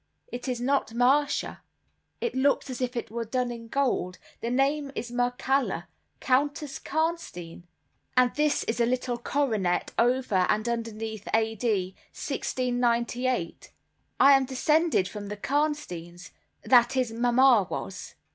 It is not Marcia; it looks as if it was done in gold. The name is Mircalla, Countess Karnstein, and this is a little coronet over and underneath A.D. 1698. I am descended from the Karnsteins; that is, mamma was."